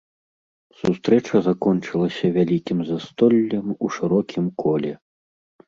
Сустрэча закончылася вялікім застоллем у шырокім коле.